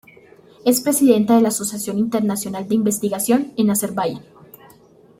Es presidenta de la Asociación Internacional de Investigación en Azerbaiyán.